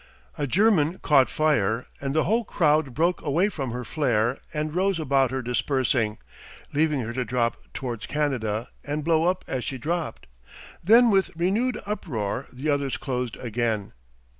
A German caught fire, and the whole crowd broke away from her flare and rose about her dispersing, leaving her to drop towards Canada and blow up as she dropped. Then with renewed uproar the others closed again.